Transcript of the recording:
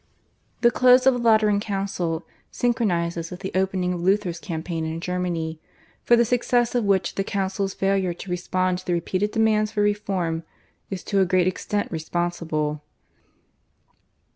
The close of the Lateran Council synchronises with the opening of Luther's campaign in Germany, for the success of which the Council's failure to respond to the repeated demands for reform is to a great extent responsible.